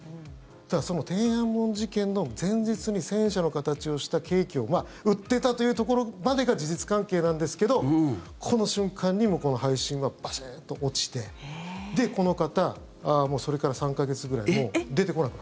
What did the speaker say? だから、その天安門事件の前日に戦車の形をしたケーキを売ってたというところまでが事実関係なんですけどこの瞬間にこの配信はバチーンと落ちてで、この方もうそれから３か月ぐらいそんなに？